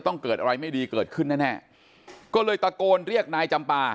เกิดอะไรไม่ดีเกิดขึ้นแน่แน่ก็เลยตะโกนเรียกนายจำปา